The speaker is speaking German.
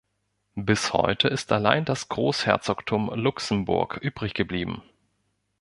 Bis heute ist allein das Großherzogtum Luxemburg übrig geblieben.